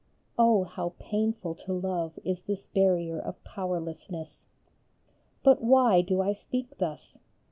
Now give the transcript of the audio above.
Oh, how painful to love is this barrier of powerlessness! But why do I speak thus?